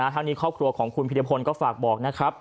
ทางนี้ครอบครัวของคุณพิรพลก็ฝากบอกนะครับ